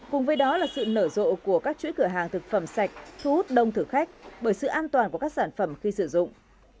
cùng với đó là sự nở rộ của các chuỗi cửa hàng thực phẩm sạch thu hút đông thử khách bởi sự an toàn của các sản phẩm khi sử dụng